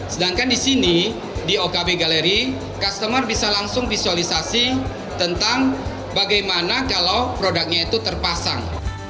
sedangkan di sini di okb galeri customer bisa langsung visualisasi tentang bagaimana kalau produknya itu terpasang